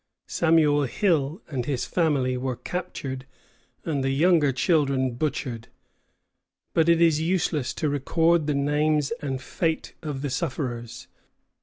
Samuel Hill and his family were captured, and the younger children butchered. But it is useless to record the names and fate of the sufferers.